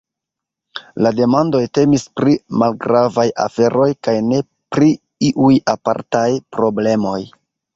La demandoj temis pri malgravaj aferoj kaj ne pri iuj apartaj problemoj.